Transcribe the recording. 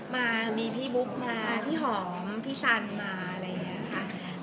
มามีพี่บุ๊กมาพี่หอมพี่ชันมาอะไรอย่างนี้ค่ะ